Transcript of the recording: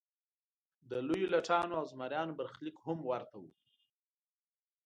د لویو لټانو او زمریانو برخلیک هم ورته و.